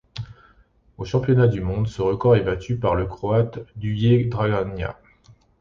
Aux Championnats du monde, ce record est battu par le Croate Duje Draganja.